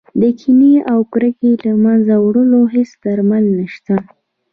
د کینې او کرکې له منځه وړلو هېڅ درمل نه شته.